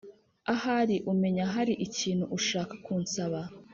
ahari umenya hari ikintu ushaka kunsaba.”